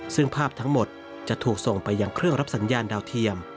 ซึ่งภาพทั้งหมดจะถูกส่งไปยังเครื่องรับสัญญาณดาวเทียม